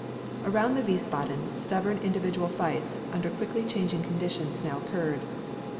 Around the Wiesbaden stubborn individual fights under quickly changing conditions now occurred.